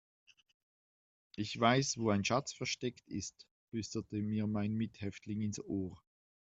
Ich weiß, wo ein Schatz versteckt ist, flüsterte mir mein Mithäftling ins Ohr.